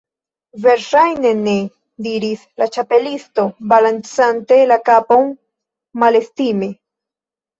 "Verŝajne ne," diris la Ĉapelisto, balancante la kapon malestime.